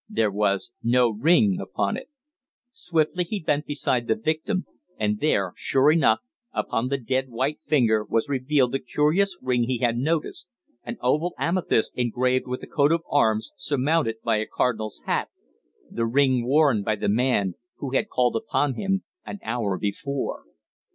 There was no ring upon it. Swiftly he bent beside the victim, and there, sure enough, upon the dead white finger was revealed the curious ring he had noticed an oval amethyst engraved with a coat of arms surmounted by a cardinal's hat the ring worn by the man who had called upon him an hour before!